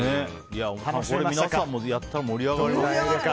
皆さんもやったら盛り上がりますよ。